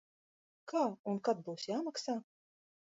Kā un kad būs jāmaksā?